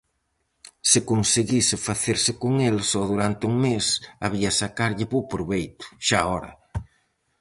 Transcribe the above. Se conseguise facerse con el só durante un mes había sacarlle bo proveito, xaora!